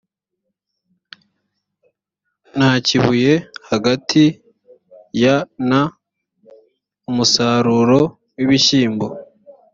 na kibuye hagati ya na umusaruro w ibishyimbo